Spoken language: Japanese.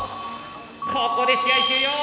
ここで試合終了！